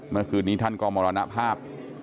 เมื่อคืนนี้ท่านก็มรณภาพ